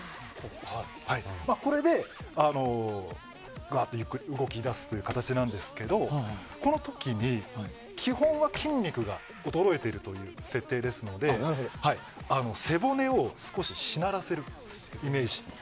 これで、ゆっくり動き出すという形なんですけどこの時に基本は筋肉が衰えているという設定ですので背骨を少し、しならせるイメージ。